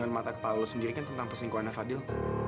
lihatlah ini juga pengembangan dari fadil